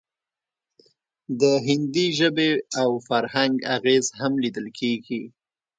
د هندي ژبې او فرهنګ اغیز هم لیدل کیږي